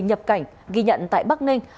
nhập cảnh ghi nhận tại bắc ninh